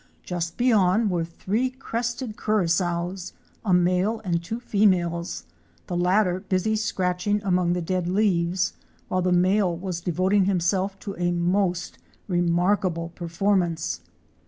Just beyond were three Crested Curassows,! a male and two females, the latter busy scratching among the dead leaves, while the male was devoting himself to a most remarkable per formance.